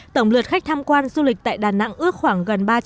tổng lượt khách tham quan du lịch tại đà nẵng ước khoảng gần bốn mươi lượt khách